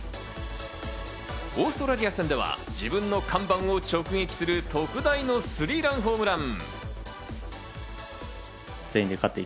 オーストラリア戦では自分の看板を直撃する特大のスリーランホームラン。